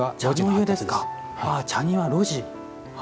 茶庭、露地。